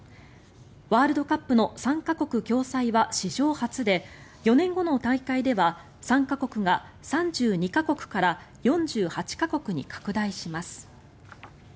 ワールドカップの３か国共催は史上初で４年後の大会では参加国が３２か国から４８か国に拡大します。